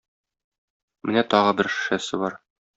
Менә тагы бер шешәсе бар.